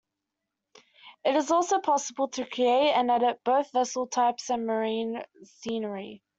It is also possible to create and edit both vessel types and marine scenery.